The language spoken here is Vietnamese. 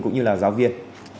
cũng như là giáo viên